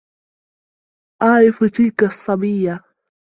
أعرف تلك الصبية.